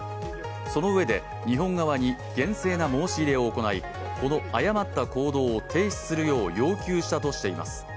そのうえで、日本側に厳正な申し入れを行い、この誤った行動を停止するよう要求したとしています。